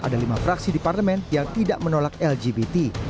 ada lima fraksi di parlemen yang tidak menolak lgbt